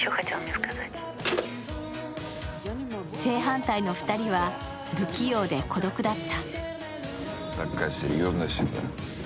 正反対の２人は不器用で孤独だった。